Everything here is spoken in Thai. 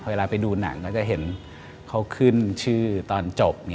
เวลาไปดูหนังก็จะเห็นเขาขึ้นชื่อตอนจบ